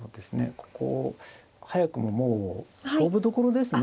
ここ早くももう勝負どころですね。